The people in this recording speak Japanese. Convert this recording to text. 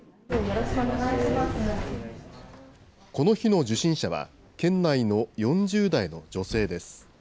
この日の受診者は、県内の４０代の女性です。